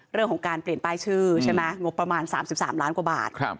เรื่องของการเปลี่ยนป้ายชื่อใช่ไหมงบประมาณ๓๓ล้านกว่าบาท